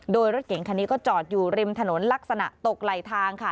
โดยรถเก่งคันนี้ก็จอดอยู่ริมถนนลักษณะตกไหลทางค่ะ